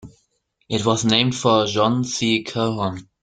It was named for John C. Calhoun.